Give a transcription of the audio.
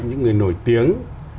những người nổi tiếng